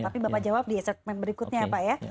tapi bapak jawab di segmen berikutnya ya pak ya